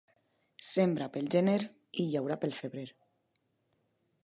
Sembra pel gener i llaura pel febrer.